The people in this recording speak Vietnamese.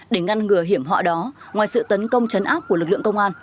để ngăn ngừa hiểm họa đó ngoài sự tấn công chấn áp của lực lượng công an